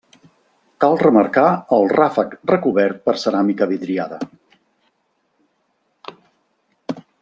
Cal remarcar el ràfec recobert per ceràmica vidriada.